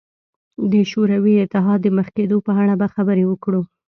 د شوروي اتحاد د مخ کېدو په اړه به خبرې وکړو.